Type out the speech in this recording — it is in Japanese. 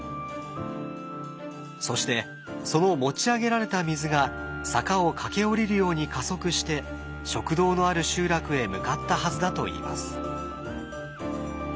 そしてその持ち上げられた水が坂を駆け下りるように加速して食堂のある集落へ向かったはずだといいます。